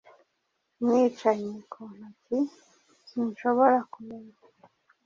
Umwicanyi ku ntoki Sinshobora kumenya